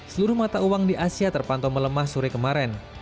seluruh mata uang di asia terpantau melemah sore kemarin